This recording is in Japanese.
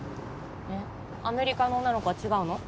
えっアメリカの女の子は違うの？